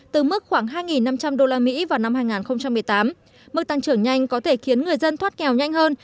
từ mức khoảng hai năm trăm linh usd vào năm hai nghìn một mươi tám mức tăng trưởng nhanh có thể khiến người dân thoát nghèo nhanh hơn